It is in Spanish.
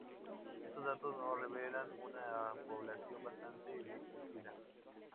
Estos datos nos revelan una población bastante envejecida.